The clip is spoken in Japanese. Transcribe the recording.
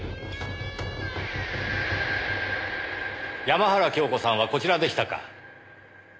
山原京子さんはこちらでしたか。